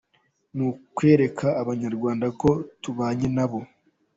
Ni ukwereka abanyarwanda ko tubanye nabo.